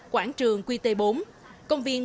quảng trường qt bốn công viên